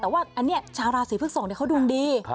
แต่ว่าอันนี้ชาวราศีพฤกษกเขาดวงดี